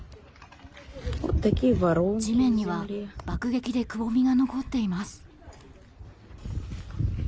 地面には爆撃でくぼみが残っています。